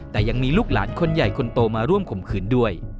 แต่ยังมีลูกหลานคนใหญ่คนโตมาร่วมข่มขืนด้วย